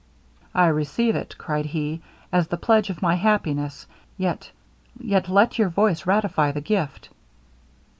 'I receive it,' cried he, 'as the pledge of my happiness; yet yet let your voice ratify the gift.'